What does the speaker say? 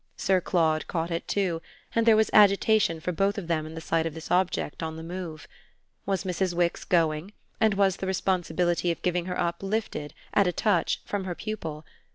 Sir Claude caught it too, and there was agitation for both of them in the sight of this object on the move. Was Mrs. Wix going and was the responsibility of giving her up lifted, at a touch, from her pupil?